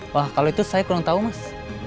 wah kalau itu saya kurang tahu mas